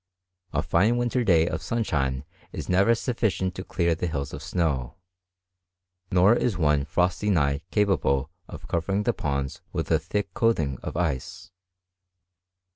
A fine winter day of sunshine is never suffi cient to clear the hills of snow ; nor is one frosty night capable of covering the ponds with a thick coat ing of ice.